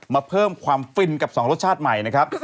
มาเพิ่มความฝึนกับ๒รสชาติใหม่